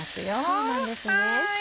そうなんですね。